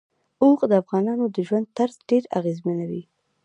اوښ د افغانانو د ژوند طرز ډېر اغېزمنوي.